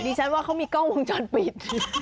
ดิฉันว่ามีกล้องมองช้อนปิด